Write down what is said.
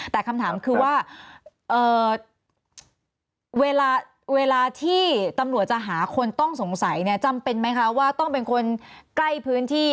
แต่คำถามคือว่าเวลาที่ตำรวจจะหาคนต้องสงสัยเนี่ยจำเป็นไหมคะว่าต้องเป็นคนใกล้พื้นที่